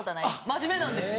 真面目なんです。